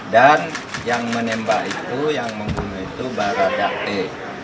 dan yang menembak itu yang menghubungi itu barat daktik